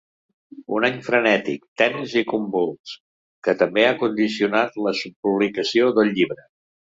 Un any frenètic, tens i convuls, que també ha condicionat la publicació del llibre.